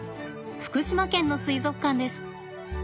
福島県の水族館です。